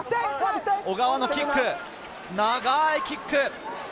小川のキック、長いキック。